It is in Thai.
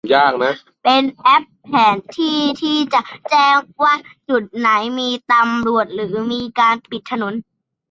เป็นแอปแผนที่ที่จะแจ้งว่าจุดไหนมีตำรวจหรือมีการปิดถนน